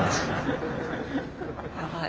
やばい。